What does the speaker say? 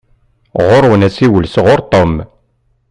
Ɣuṛ-wen asiwel sɣuṛ Tom.